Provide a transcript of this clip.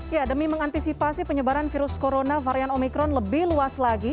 ya demi mengantisipasi penyebaran virus corona varian omikron lebih luas lagi